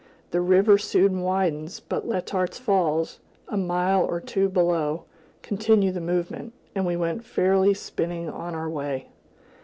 The river soon widens, but Letart's Falls, a mile or two below, continue the movement, and we went fairly spinning on our way.